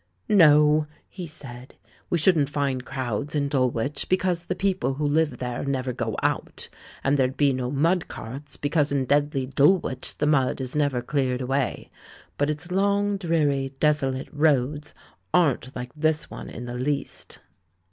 "No," he said, "we shouldn't find crowds in Dulwich, because the people who live there never go out; and there'd be no mud carts, because in deadly Dulwich the mud is never cleared away. But its long, dreary, desolate roads aren't like this one in the least."